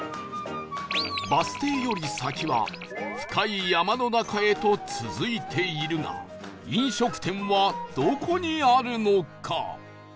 バス停より先は深い山の中へと続いているが飲食店はどこにあるのか？